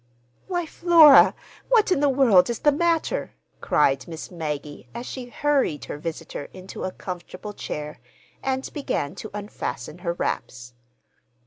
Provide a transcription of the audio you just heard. "Why, Flora, what in the world is the matter?" cried Miss Maggie, as she hurried her visitor into a comfortable chair and began to unfasten her wraps.